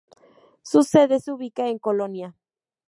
Su sede se ubica en Colonia.